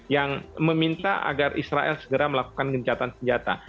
yang meminta agar israel segera melakukan gencatan senjata